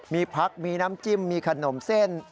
มีผักมีน้ำจิ้มมีขนมเส้น